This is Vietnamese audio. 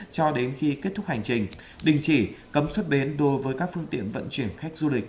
cho đến khi kết thúc hành trình đình chỉ cấm xuất bến đối với các phương tiện vận chuyển khách du lịch